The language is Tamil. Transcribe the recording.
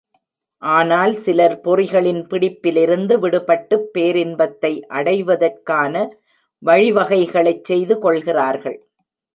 ஆனால் சிலர் பொறிகளின் பிடிப்பிலிருந்து விடுபட்டுப் பேரின்பத்தை அடைவதற்கான வழி வகைகளைச் செய்து கொள்கிறார்கள்.